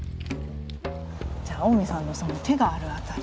じゃ近江さんのその手がある辺り。